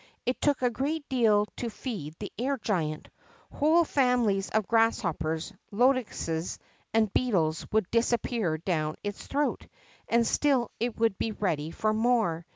It took a great deal to feed the air giant. Whole families of grasshoppers, locusts, and beetles would disappear down its throat, and still it would be ready for more.